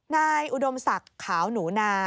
นายอุดมศักดิ์ขาวหนูนา